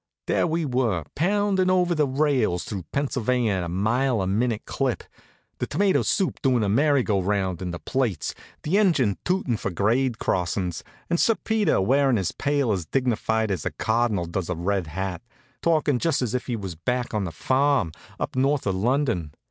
There we were poundin' over the rails through Pennsylvania at a mile a minute clip, the tomato soup doin' a merry go round in the plates, the engine tootin' for grade crossin's; and Sir Peter, wearin' his pail as dignified as a cardinal does a red hat, talkin' just as if he was back on the farm, up north of London.